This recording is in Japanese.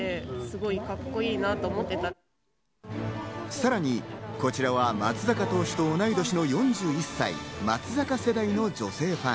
さらにこちらは松坂投手と同い年の４１歳、松坂世代の女性ファン。